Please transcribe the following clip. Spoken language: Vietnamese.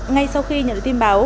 ngay sau khi nhận được tin báo